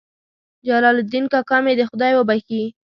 جلال الدین کاکا مې دې خدای وبخښي.